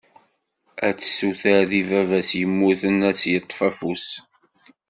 Ad tessuter deg baba-s yemmuten ad as-yeṭṭef afus.